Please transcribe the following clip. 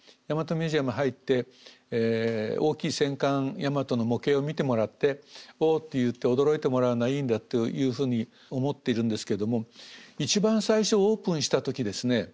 ミュージアム入って大きい戦艦大和の模型を見てもらっておって言って驚いてもらうのがいいんだというふうに思っているんですけども一番最初オープンした時ですね